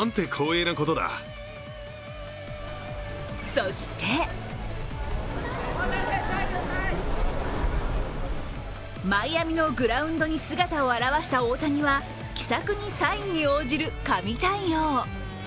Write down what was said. そしてマイアミのグラウンドに姿を現した大谷は気さくにサインに応じる神対応。